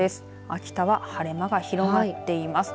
秋田は晴れ間が広がっています。